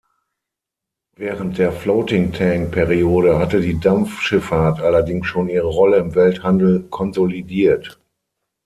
Während der "floating-tank"-Periode hatte die Dampfschifffahrt allerdings schon ihre Rolle im Welthandel konsolidiert.